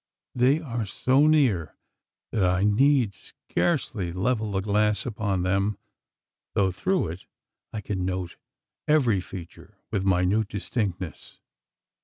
They are so near that I need scarcely level the glass upon them; though through it, I can note every feature with minute distinctness.